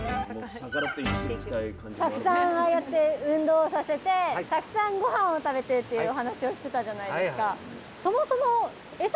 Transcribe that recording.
たくさんああやって運動させてたくさんごはんを食べてっていうお話をしてたじゃないですか。